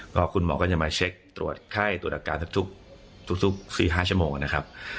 ก็คุณหมอก็จะมาเช็คตรวจไข้ตรวจอาการทุก๔๕ชั่วโมงนะครับ